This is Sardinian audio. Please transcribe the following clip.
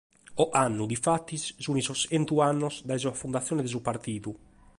Ocannu difatis sunt sos chentu annos dae sa fundatzione de su partidu.